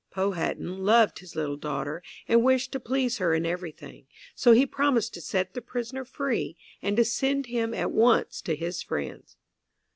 Powhatan loved his little daughter, and wished to please her in everything, so he promised to set the prisoner free, and to send him at once to his friends.